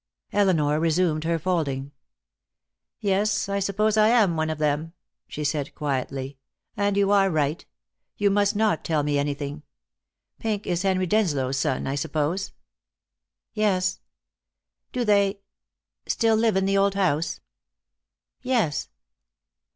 Elinor resumed her folding. "Yes, I suppose I am one of them," she said quietly. "And you are right. You must not tell me anything. Pink is Henry Denslow's son, I suppose." "Yes." "Do they still live in the old house?" "Yes."